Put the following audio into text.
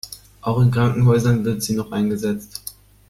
Auch in Krankenhäusern wird sie noch eingesetzt.